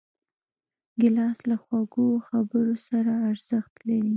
ګیلاس له خوږو خبرو سره ارزښت لري.